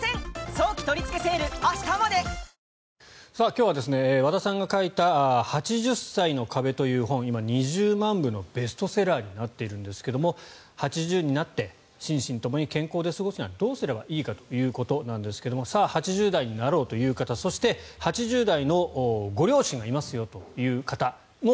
今日は和田さんが書いた「８０歳の壁」という本今、２０万部のベストセラーになっているんですが８０になって心身ともに健康で過ごすにはどうすればいいかということなんですが８０代になろうという方そして、８０代のご両親がいますよという方も